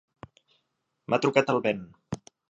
M'ha trucat el Ben.